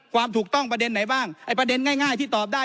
ความถูกต้องประเด็นไหนบ้างไอ้ประเด็นง่ายที่ตอบได้